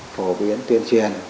phổ biến tuyên truyền